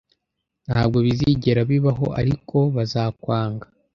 Ntabwo bizigera bibaho ariko bazakwanga